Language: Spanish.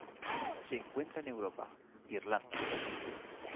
Se encuentra en Europa: Irlanda.